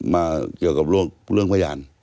มาเกี่ยวกับเรื่องพยาน